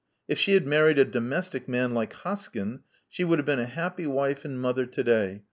If she had married a domestic man like Hoskyn, she would have been a happy wife and mother to day.